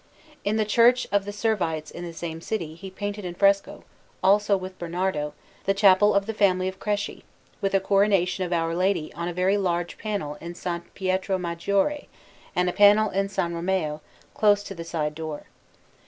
In the Church of the Servites in the same city he painted in fresco, also with Bernardo, the Chapel of the family of Cresci; with a Coronation of Our Lady on a very large panel in S. Pietro Maggiore, and a panel in S. Romeo, close to the side door.